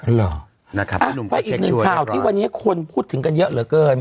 เหรอนะครับก็อีกหนึ่งข่าวที่วันนี้คนพูดถึงกันเยอะเหลือเกิน